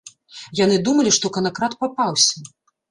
Яны думалі, што канакрад папаўся.